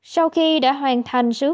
sau khi đã hoàn thành sử dụng